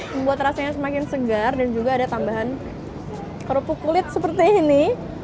membuat rasanya semakin segar dan juga ada tambahan kerupuk kulit seperti ini